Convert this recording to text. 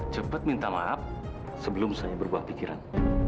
cepat minta maaf sebelum saya berbuah pikiran